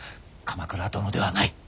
鎌倉殿ではない。